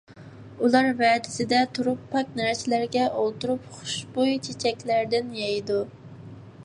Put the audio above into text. ئۇلار ۋەدىسىدە تۇرۇپ، پاك نەرسىلەرگە ئولتۇرۇپ، خۇشبۇي چېچەكلەردىن يەيدۇ.